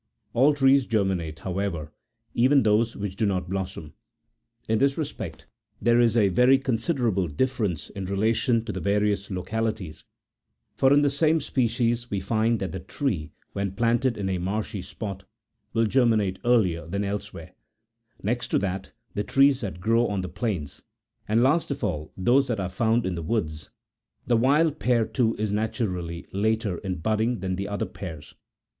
All trees germinate, however,81 even those which do not blossom. In this respect there is a very considerable differ ence in relation to *the various localities; for in the same species we find that the tree, when planted in a marshy spot, will germinate earlier than elsewhere ; next to that, the trees that grow on the plains, and last of all those that are found in the woods : the wild pear, too, is naturally later in budding tli an the other pears.